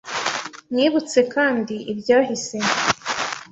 Mwibutse kandi ibyahise